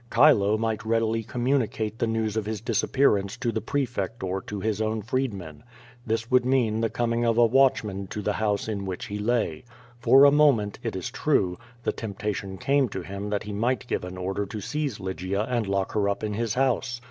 Chilo might readily communicat'* Ihe news of his disappearance to the prefect or to his own freedmen. This Mould mean the coming of a watchman to the house in which he lay. For a moment, it is true, tlio t<*mptation came to him tliat he might give an order to seize Lygia and lock her up in his house.